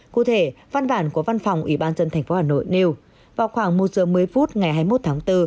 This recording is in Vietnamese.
cụ thể văn bản của văn phòng ủy ban dân thành phố hà nội nêu vào khoảng một giờ một mươi phút ngày hai mươi một tháng bốn